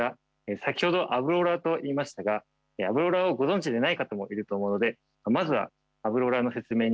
先ほどアブローラーと言いましたがアブローラーをご存じでない方もいると思うのでまずはアブローラーの説明に入りたいと思います。